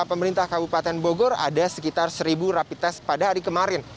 pemerintah kabupaten bogor ada sekitar seribu rapi tes pada hari kemarin